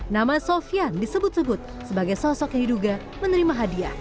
nama sofian disebut sebut sebagai sosok yang diduga menerima hadiah